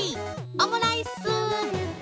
オムライス！